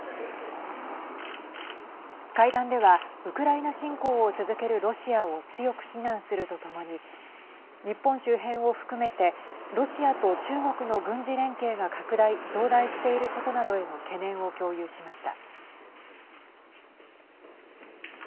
会談ではウクライナ侵攻を続けるロシアを強く非難するとともに日本周辺を含めてロシアと中国の軍事連携が拡大増大していることなどへの懸念を共有しました。